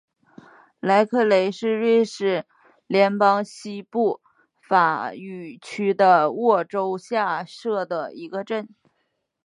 莱克雷是瑞士联邦西部法语区的沃州下设的一个镇。